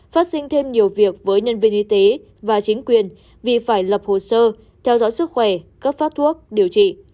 phát sinh thêm nhiều việc với nhân viên y tế và chính quyền vì phải lập hồ sơ theo dõi sức khỏe cấp phát thuốc điều trị